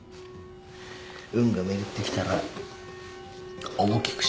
運が巡ってきたら大きく勝負する。